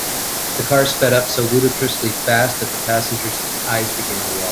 The car sped up so ludicrously fast that the passengers eyes began to water.